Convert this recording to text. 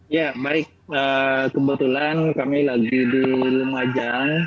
ya baik kebetulan kami lagi di lumajang